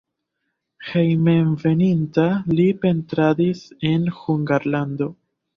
Hejmenveninta li pentradis en Hungarlando.